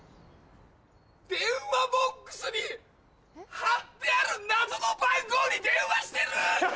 電話ボックスに貼ってある謎の番号に電話してる！